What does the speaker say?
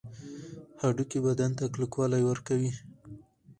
هډوکي بدن ته کلکوالی ورکوي